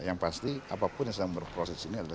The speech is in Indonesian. yang pasti apapun yang sedang berproses ini adalah